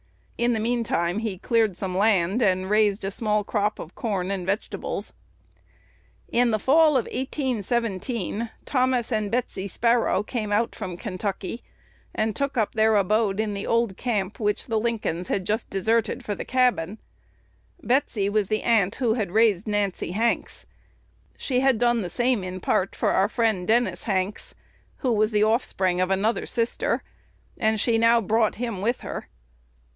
"In the mean time he cleaned some land, and raised a small crop of corn and vegetables." In the fall of 1817, Thomas and Betsy Sparrow came out from Kentucky, and took up their abode in the old camp which the Lincolns had just deserted for the cabin. Betsy was the aunt who had raised Nancy Hanks. She had done the same in part for our friend Dennis Hanks, who was the offspring of another sister, and she now brought him with her.